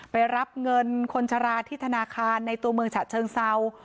ไปรับเงินคนชะลาที่ธนาคารในตัวเมืองฉะเชิงเศร้า